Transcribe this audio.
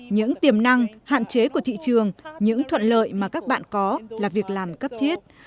những tiềm năng hạn chế của thị trường những thuận lợi mà các bạn có là việc làm cấp thiết